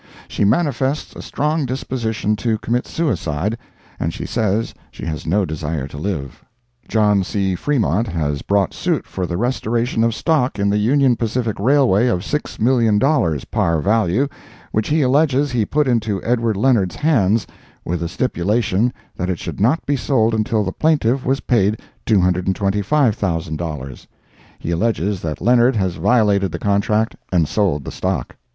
She manifests a strong disposition to commit suicide, and she says she has no desire to live. John C. Fremont has brought suit for the restoration of stock in the Union Pacific Railway of six million dollars, par value, which he alleges he put into Edward Leonard's hands, with the stipulation that it should not be sold until the plaintiff was paid $225,000. He alleges that Leonard has violated the contract and sold the stock.